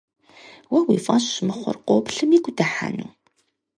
Уэ уи фӀэщ мыхъур къоплъым игу дыхьэну?